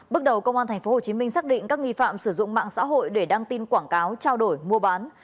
bước đầu công an tp hcm xác định các nghi phạm sử dụng mạng xã hội để đăng tin quảng cáo trao đổi mua bán